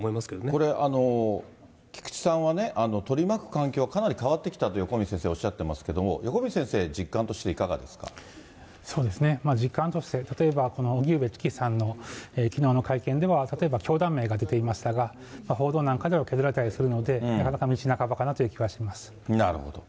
これ、菊池さんはね、取り巻く環境、かなり変わってきたと、横道先生、おっしゃってますけれども、横道先生、そうですね、実感として例えば、荻上チキさんのきのうの会見では、例えば教団名が出ていましたが、報道なんかでは削られたりするので、なかなか道半ばかなという感なるほど。